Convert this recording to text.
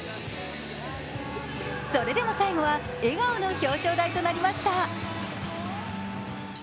それでも最後は笑顔の表彰台となりました。